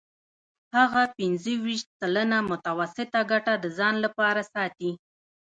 هغه پنځه ویشت سلنه متوسطه ګټه د ځان لپاره ساتي